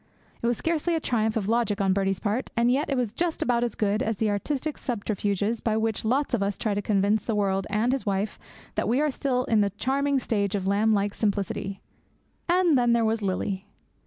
It was scarcely a triumph of logic on Birdie's part, and yet it was just about as good as the artistic subterfuges by which lots of us try to convince the world and his wife that we are still in the charming stage of lamb like simplicity. And then there was Lily.